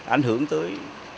ảnh hưởng tới